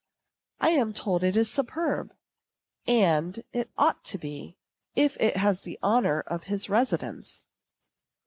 I am told it is superb; and it ought to be, if it has the honor of his residence."